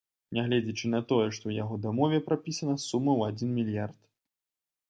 Нягледзячы на тое, што ў яго дамове прапісана сума ў адзін мільярд.